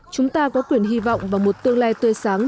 chúng ta có quyền hy vọng vào một tương lai tươi sáng